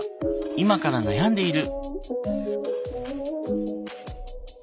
今から悩んでいる。